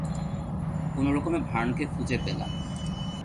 কোনরকমে ভার্নকে খুঁজে পেলাম।